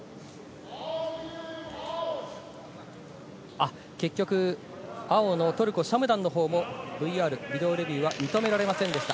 あっ、結局青のトルコ、シャムダンのほうもＶＲ＝ビデオレビューは認められませんでした。